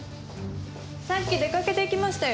さっき出かけていきましたよ。